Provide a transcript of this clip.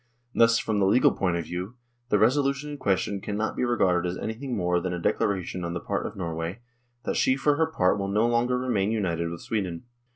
Thus, from the legal point of view, the resolution in question cannot be regarded as anything more than a declaration on the part of Norway that she for her part will no longer remain united with Sweden.